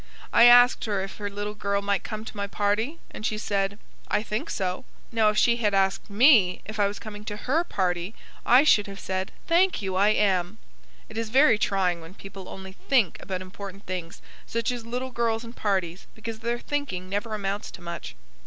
I asked her if her little girl might come to my party, and she said: "I think so." Now if she had asked ME if I was coming to HER party, I should have said: "Thank you; I am." It is very trying when people only THINK about important things, such as little girls and parties; because their thinking never amounts to much.